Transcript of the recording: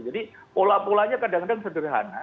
jadi pola polanya kadang kadang sederhana